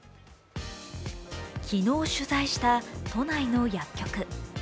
昨日取材した都内の薬局。